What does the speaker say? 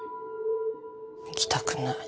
行きたくない。